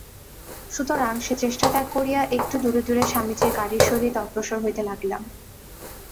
সুতরাং সে চেষ্টা ত্যাগ করিয়া একটু দূরে দূরে স্বামীজীর গাড়ীর সহিত অগ্রসর হইতে লাগিলাম।